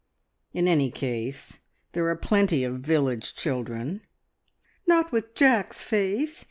In any case, there are plenty of village children." "Not with Jack's face.